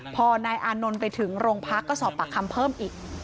พอนายอานนท์ไปถึงโรงพักก็สอบปากคำเพิ่มอีก